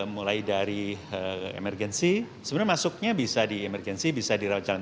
mulai dari emergensi sebenarnya masuknya bisa di emergensi bisa dirawat jalan